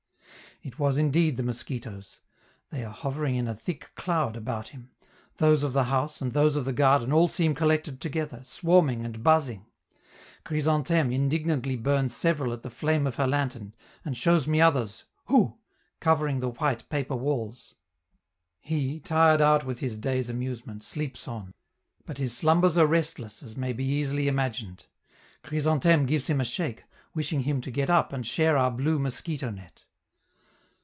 It was indeed the mosquitoes. They are hovering in a thick cloud about him; those of the house and those of the garden all seem collected together, swarming and buzzing. Chrysantheme indignantly burns several at the flame of her lantern, and shows me others (Hou!) covering the white paper walls. He, tired out with his day's amusement, sleeps on; but his slumbers are restless, as may be easily imagined. Chrysantheme gives him a shake, wishing him to get up and share our blue mosquito net.